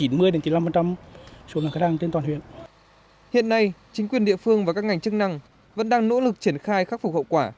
hiện nay chính quyền địa phương và các ngành chức năng vẫn đang nỗ lực triển khai khắc phục hậu quả